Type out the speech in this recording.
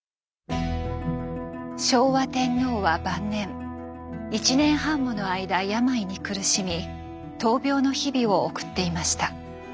昭和天皇は晩年１年半もの間病に苦しみ闘病の日々を送っていました。